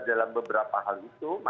dalam beberapa hal itu